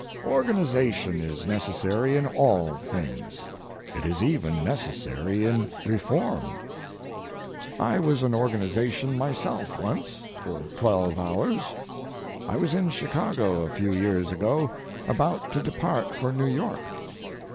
Organization is necessary in all things. It is even necessary in reform. I was an organization myself once—for twelve hours. I was in Chicago a few years ago about to depart for New York.